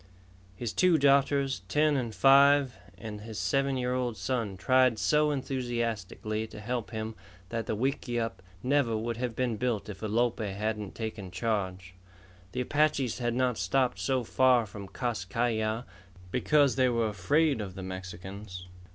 His two daughters, ten and five, and his seven year old son tried so enthusiastically to help him that the wickiup never would have been built if Alope hadn't taken charge. The Apaches had not stopped so far from Kas Kai Ya because they were afraid of the Mexicans.